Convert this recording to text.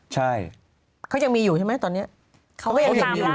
ใช่เขายังมีอยู่ใช่ไหมเท๋วตอนเนี้ยเขาก็ยังตามรากอยู่